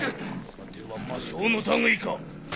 さては魔性の類いか！